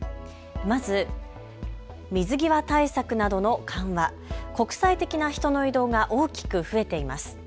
まず、水際対策などの緩和、国際的な人の移動が大きく増えています。